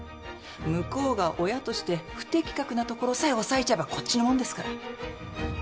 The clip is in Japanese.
向こうが親として不適格なところさえ押さえちゃえばこっちのもんですから。